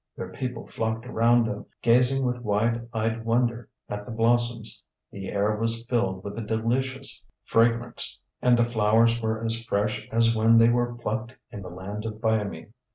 Their people flocked around them, gazing with wide eyed wonder at the blossoms. The air was filled with a delicious fragrance, and the flowers were as fresh as when they were plucked in the land of Byamee.